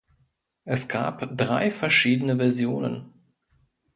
Es gab drei verschiedene Versionen.